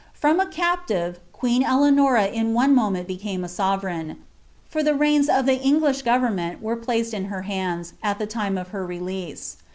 From a captive, queen Eleanors in one maoMI became a sovereign; for the reins of the Iijtglish goveranmit nf* placed in her hands, at the time of her release.